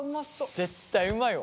絶対うまいわ。